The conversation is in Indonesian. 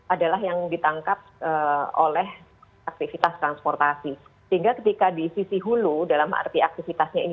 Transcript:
adalah yang ditangkap oleh aktivitas transportasi sehingga ketika di sisi hulu dalam arti aktivitasnya ini